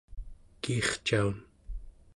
kiircaun